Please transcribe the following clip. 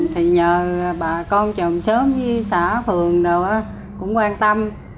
thì nhờ bà con chồng sớm với xã phường đồ đó cũng quan tâm